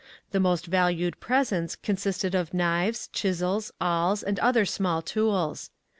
The most valued presents consisted of knives, chisels, awls, and other small tools.